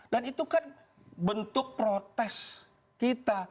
dan itu kan bentuk protes kita